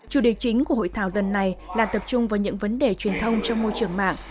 chủ đề chính của hội thảo lần này là tập trung vào những vấn đề truyền thông trong môi trường mạng